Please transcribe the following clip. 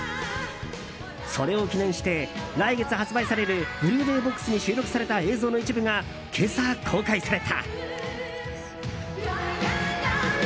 それを記念して来月発売されるブルーレイボックスに収録された映像の一部が今朝、公開された。